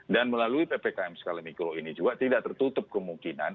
dan melalui ppkm skala mikro ini juga tidak tertutup kemungkinan